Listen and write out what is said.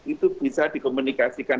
itu bisa dikomunikasikan